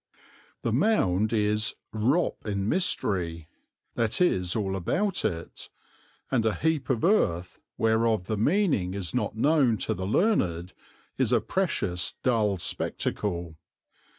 The Mound is "wrop in mystery," that is all about it, and a heap of earth whereof the meaning is not known to the learned is a precious dull spectacle.